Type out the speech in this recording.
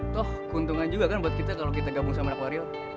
tuh keuntungan juga kan kalo kita gabung sama anak wario